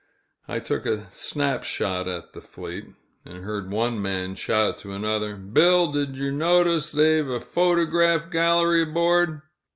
I took a snap shot at the fleet, and heard one man shout to another, "Bill, did yer notice they've a photograph gallery aboard?"